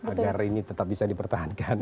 agar ini tetap bisa dipertahankan